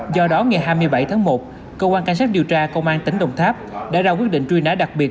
do đó ngày hai mươi bảy tháng một cơ quan cảnh sát điều tra công an tỉnh đồng tháp đã ra quyết định truy nã đặc biệt